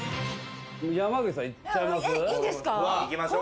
山口さんいっちゃいます？